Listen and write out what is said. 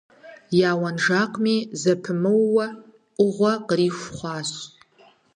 Я уэнжакъми зэпымыууэ Ӏугъуэ къриху хъуащ.